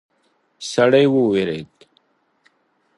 سړی وویرید.